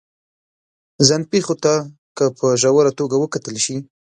ځان پېښو ته که په ژوره توګه وکتل شي